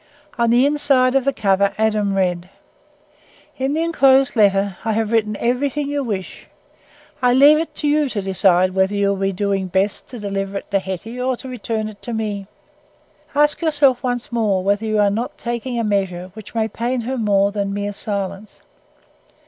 On the inside of the cover Adam read: "In the enclosed letter I have written everything you wish. I leave it to you to decide whether you will be doing best to deliver it to Hetty or to return it to me. Ask yourself once more whether you are not taking a measure which may pain her more than mere silence.